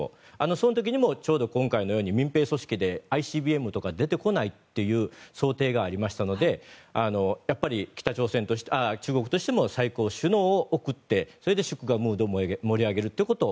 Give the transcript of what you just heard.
その時にもちょうど今回のように民兵組織でＩＣＢＭとかが出てこないという想定がありましたのでやっぱり中国としても最高、首脳を送ってそれで祝賀ムードを盛り上げるということ。